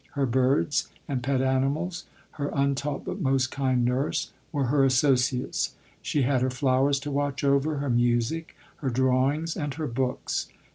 Her birds and pet animals — her un taught but most kind nurse, were her asso ciates : she had her flowers to watch over, her music, her drawings, and her books.